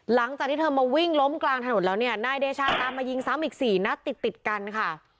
หลังจากที่เธอมาวิ่งล้มกลางถนนแล้วเนี่ยนายเดชาก็มายิงสามอีก๔นะติดกันค่ะ